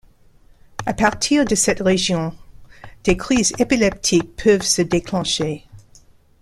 À partir de cette région, des crises épileptiques peuvent se déclencher.